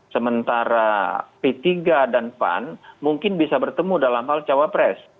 sementara p tiga dan pan mungkin bisa bertemu dalam hal cawapres